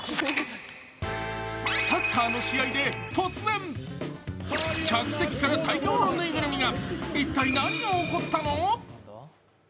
サッカーの試合で突然客席から大量のぬいぐるみが。